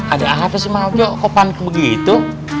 ada apa sih mau kok kok panggung begitu